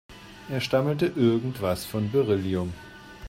Er stammelte irgendwas von Beryllium.